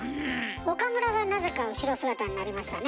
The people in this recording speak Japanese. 岡村がなぜか後ろ姿になりましたね。